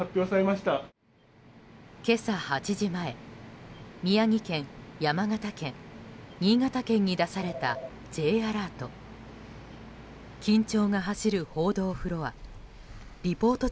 今朝８時前、宮城県、山形県新潟県に出されたＪアラート。